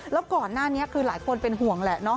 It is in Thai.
แล้วก่อนหน้านี้คือหลายคนเป็นห่วงแหละเนาะ